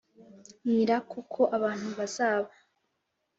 Nira kuko abantu bazaba